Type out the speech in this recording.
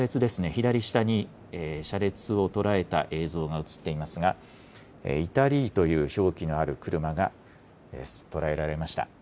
左下に車列を捉えた映像が映っていますが、イタリーという表記がある車が捉えられました。